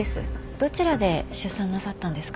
どちらで出産なさったんですか？